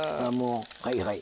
はいはい。